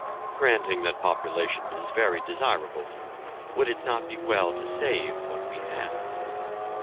Granting that population is very desirable, would it not be well to save what we have?